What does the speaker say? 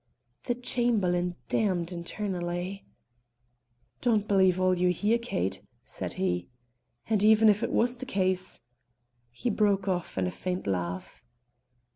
The Chamberlain damned internally. "Don't believe all you hear, Kate," said he. "And even if it was the case," he broke off in a faint laugh.